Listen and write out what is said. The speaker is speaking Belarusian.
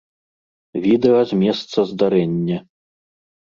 Відэа з месца здарэння.